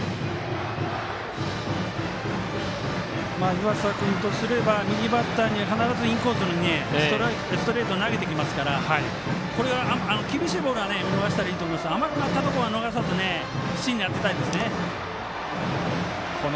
湯浅君とすれば右バッターには必ずインコースのストレートを投げてきますから厳しいボールは見逃せばいいと思いますけど甘くなったところは逃さず芯に当てたいですね。